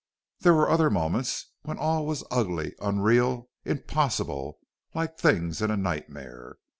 There were other moments when all was ugly, unreal, impossible like things in a nightmare.